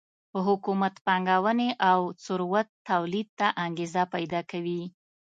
حکومت پانګونې او ثروت تولید ته انګېزه پیدا کوي